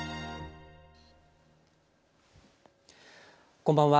こんばんは。